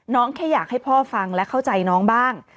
แค่อยากให้พ่อฟังและเข้าใจน้องบ้าง